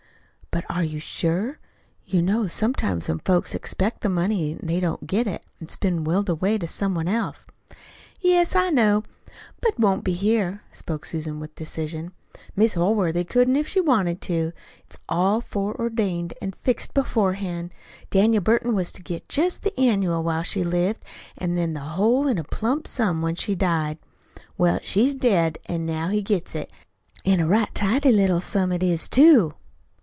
"But are you sure? You know sometimes when folks expect the money they don't get it. It's been willed away to some one else." "Yes, I know. But't won't be here," spoke Susan with decision. "Mis' Holworthy couldn't if she'd wanted to. It's all foreordained an' fixed beforehand. Daniel Burton was to get jest the annual while she lived, an' then the whole in a plump sum when she died. Well, she's dead, an' now he gets it. An' a right tidy little sum it is, too."